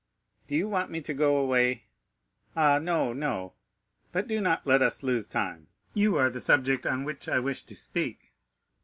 "Do you want me to go away?" "Ah, no, no. But do not let us lose time; you are the subject on which I wish to speak."